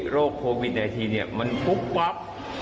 โรคโปวิดในทีเนี่ยมันปุ๊บปับ